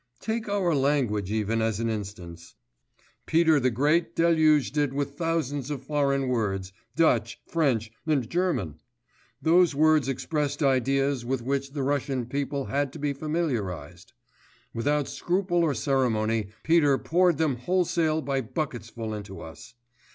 Take our language even as an instance. Peter the Great deluged it with thousands of foreign words, Dutch, French, and German; those words expressed ideas with which the Russian people had to be familiarised; without scruple or ceremony Peter poured them wholesale by bucketsful into us.